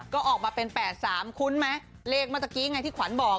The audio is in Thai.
ก็ออกมาเป็น๘๓คุ้นไหมเลขเมื่อตะกี้ไงที่ขวัญบอก